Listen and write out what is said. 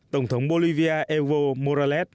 tổng thống bolivia evo morales